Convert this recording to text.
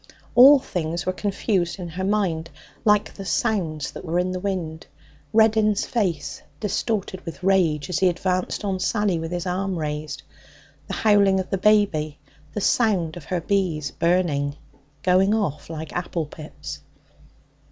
All things were confused in her mind, like the sounds that were in the wind; Reddin's face, distorted with rage, as he advanced on Sally with his arm raised; the howling of the baby; the sound of her bees burning going off like apple pips.